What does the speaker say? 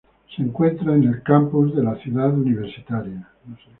Se encuentra en el campus Ciudad Universitaria.